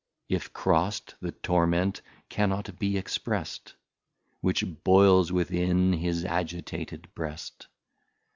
If crost, the Torment cannot be exprest, Which boyles within his agitated Breast.